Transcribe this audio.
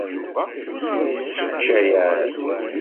Yesseččay-as.